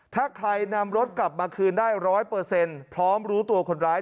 ถ้าใครนำรถกลับมาคืนได้๑๐๐พร้อมรู้ตัวคนร้าย